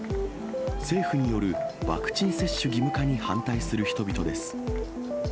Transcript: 政府によるワクチン接種義務化に反対する人々です。